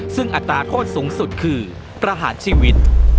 ซึ่งอัตราโทษสูงสุดคือประหารชีวิต